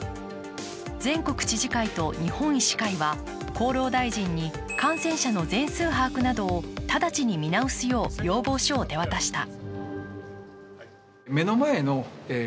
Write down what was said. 全国知事会と日本医師会は厚労大臣に感染者の全数把握などを直ちに見直すよう要望書を手渡した。